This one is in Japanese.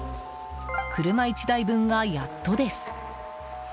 車１台分がやっとです。